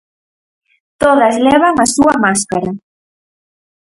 Todas levan a súa máscara.